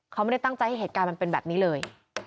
เขาไม่ได้ตั้งใจให้เหตุการณ์มันเป็นแบบนี้เลย